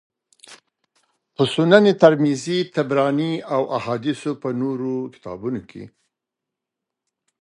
په سنن ترمذي، طبراني او د احاديثو په نورو کتابونو کي